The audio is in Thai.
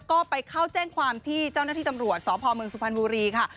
ก็ไปเข้าแจ้งความที่เจ้าหน้าที่ตำรวจสพเมืองสุพรรณบุรีค่ะ